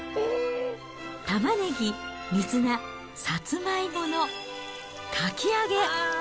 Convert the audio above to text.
たまねぎ、水菜、さつまいものかき揚げ。